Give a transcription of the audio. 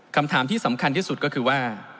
คำถามที่สำคัญที่สุดก็คือว่า